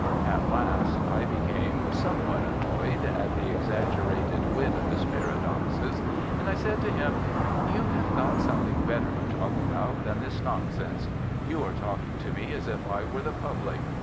At last I became somewhat annoyed at the exaggerated wit of his paradoxes, and I said to him, 'You have got something better to talk about than this nonsense; you are talking to me as if I were the public.